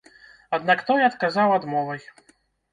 Аднак той адказаў адмовай.